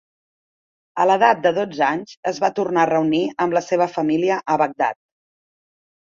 A l'edat de dotze anys, es va tornar a reunir amb la seva família a Bagdad.